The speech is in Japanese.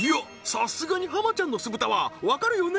さすがに浜ちゃんの酢豚はわかるよね？